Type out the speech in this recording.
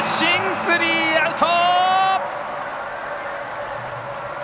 スリーアウト。